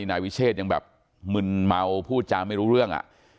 นายวิเชษยังแบบมึนเมาพูดจาไม่รู้เรื่อง